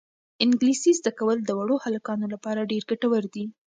انګلیسي زده کول د وړو هلکانو لپاره ډېر ګټور دي.